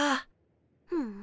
ふん。